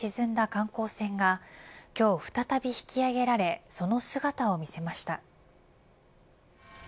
観光船が今日再び引き揚げられその姿を見せました。